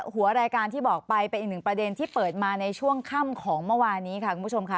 หัวรายการที่บอกไปเป็นอีกหนึ่งประเด็นที่เปิดมาในช่วงค่ำของเมื่อวานนี้ค่ะคุณผู้ชมค่ะ